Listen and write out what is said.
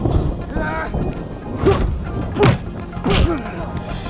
oke satu dua tiga